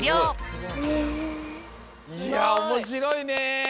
すごい！いやおもしろいね。